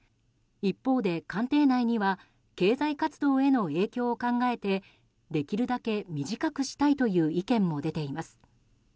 一方で官邸内には経済活動への影響を考えてできるだけ短くしたいという意見も出ています。